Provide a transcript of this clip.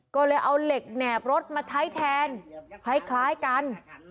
ก็เลยเอาเหล็กแหนบรถมาใช้แทนคล้ายกัน